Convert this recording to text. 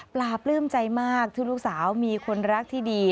ปลาปลื้มใจมากที่ลูกสาวมีคนรักที่ดี